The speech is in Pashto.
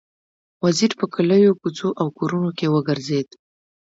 وزیر په کلیو، کوڅو او کورونو کې وګرځېد.